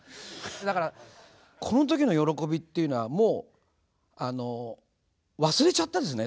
だからこの時の喜びっていうのはもう忘れちゃったんですね。